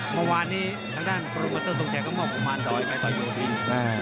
เมื่อวานนี้ทางด้านโปรโมเตอร์ส่งแทนก็มอบของพานดอยไปตอนโยธิน